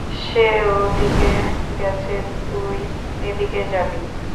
সে ওদিকে গেছে তুই এদিকে যাবি।